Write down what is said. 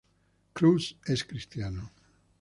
Crews es cristiano.